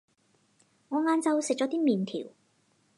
我晏晝食咗啲麵條